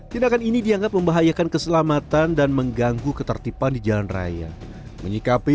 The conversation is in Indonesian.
tindakan ini dianggap membahayakan keselamatan dan mengganggu ketertiban di jalan raya menyikapi